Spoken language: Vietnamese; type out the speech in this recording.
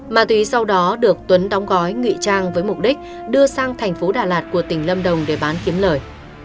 ma túy sau đó được tuấn đóng gói nghị trang với mục đích đưa sang thành phố đà lạt của tỉnh lâm đồng để bán kiếm lời